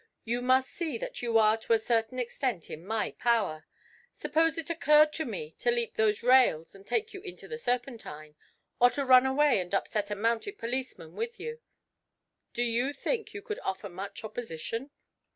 'You must see that you are to a certain extent in my power. Suppose it occurred to me to leap those rails and take you into the Serpentine, or to run away and upset a mounted policeman with you do you think you could offer much opposition?'